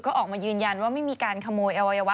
ก็ออกมายืนยันว่าไม่มีการขโมยอวัยวะ